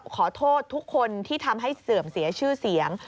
ขอโทษทุกคนที่ทำให้เสื่อมเสียชื่อเสียง